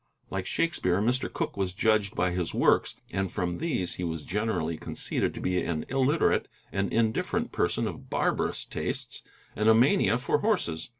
Like Shakespeare, Mr. Cooke was judged by his works, and from these he was generally conceded to be an illiterate and indifferent person of barbarous tastes and a mania for horses.